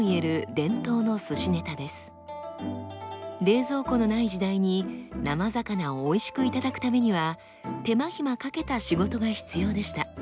冷蔵庫のない時代に生魚をおいしく頂くためには手間暇かけた仕事が必要でした。